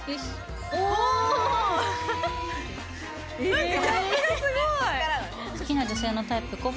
なんかギャップがすごい！